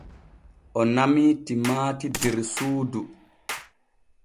O namii timaati der suudu.